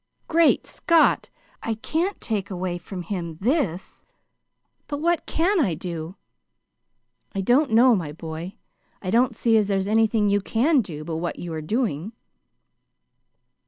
Great Scott! I can't take away from him this But what CAN I do?" "I don't know, my boy. I don't see as there's anything you can do, but what you are doing."